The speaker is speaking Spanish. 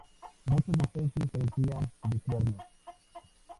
Muchas especies carecían de cuernos.